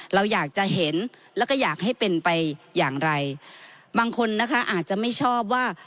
เราอยากจะเห็นแล้วก็อยากให้เป็นไปอย่างไรบางคนนะคะอาจจะไม่ชอบว่า